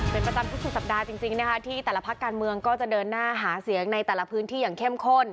เป็นประจำทุกสุดสัปดาห์จริงนะคะที่แต่ละพักการเมืองก็จะเดินหน้าหาเสียงในแต่ละพื้นที่อย่างเข้มข้น